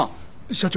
社長。